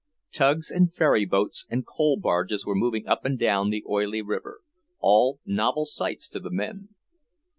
Tugs and ferry boats and coal barges were moving up and down the oily river, all novel sights to the men.